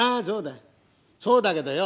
そうだけどよ